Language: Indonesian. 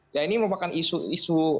ya ini merupakan isu isu